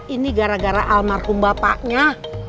ini gara gara almarhum bapaknya